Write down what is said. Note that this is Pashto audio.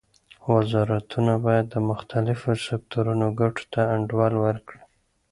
وزارتونه باید د مختلفو سکتورونو ګټو ته انډول ورکړي